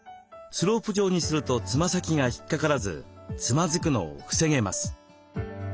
スロープ状にするとつま先が引っかからずつまずくのを防げます。